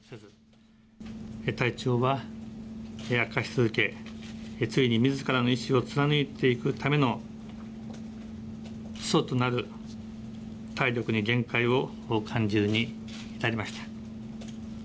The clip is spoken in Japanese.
体調は悪化し続け、ついにみずからの意志を貫いていくための基礎となる体力に限界を感じるに至りました。